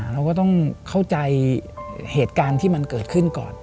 เราก็ต้องเข้าใจเหตุการณ์ที่มันเกิดขึ้นก่อน